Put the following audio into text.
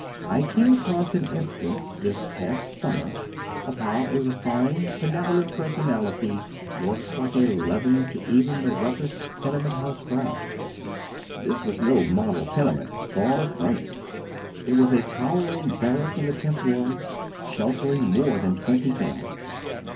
I came across an instance, this past summer, of how a refined, benevolent personal ity works like a leaven in even the roughest tenement oy Google WHAT HAS BEEN DONE, 279 house crowd. This was no model tenement ; far from it. It was a towering barrack in the Tenth Ward, sheltering more than twenty families.